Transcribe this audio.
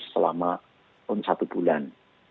selama satu bulan